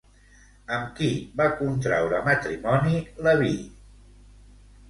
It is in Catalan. Amb qui va contraure matrimoni Leví?